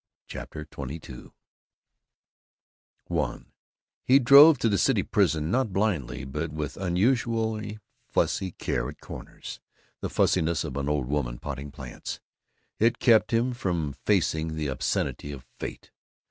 CHAPTER XXII I He drove to the City Prison, not blindly, but with unusual fussy care at corners, the fussiness of an old woman potting plants. It kept him from facing the obscenity of fate.